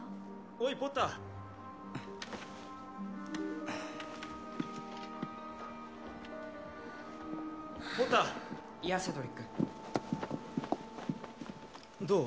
おいポッターポッターやあセドリックどう？